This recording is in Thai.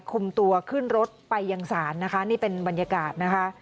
คุมตัวขึ้นรถไปยังศาลนะคะนี่เป็นบรรยากาศนะคะ